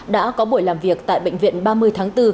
đã có buổi làm việc tại bệnh viện ba mươi tháng bốn